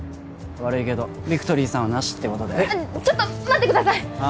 悪いけどビクトリーさんはなしってことでちょっと待ってくださいああ